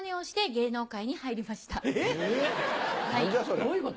どういうこと？